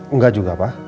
enggak juga pak